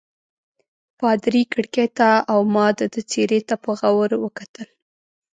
پادري کړکۍ ته او ما د ده څېرې ته په غور وکتل.